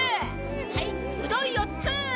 はいうどん４つ！